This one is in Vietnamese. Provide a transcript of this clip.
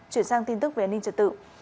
chuyển sang tin tức về an ninh trật tự